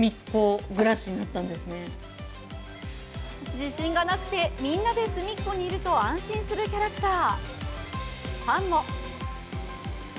自信がなくて、みんなですみっコにいると安心するキャラクター。